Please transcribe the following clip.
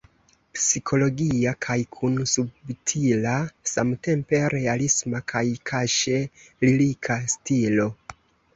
Psikologia kaj kun subtila samtempe realisma kaj kaŝe lirika stilo.